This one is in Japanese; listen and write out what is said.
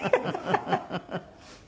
ハハハハ。